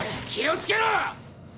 気をつけろ！